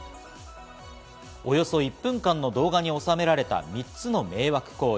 およそ１分間の動画に収められた３つの迷惑行為。